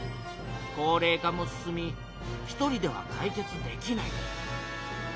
高れい化も進み１人ではかい決できない。